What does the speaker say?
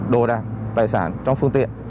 đồ đàn tài sản trong phương tiện